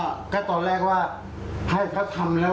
ก็ก็ตอนแรกว่าให้เขาทำแล้วว่าจะทำอะไรอย่างเงี้ยความสะอาดแล้วนะ